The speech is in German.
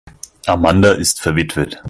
Amanda ist verwitwet.